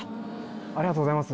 ありがとうございます